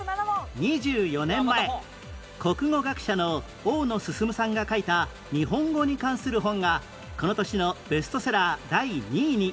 ２４年前国語学者の大野晋さんが書いた日本語に関する本がこの年のベストセラー第２位に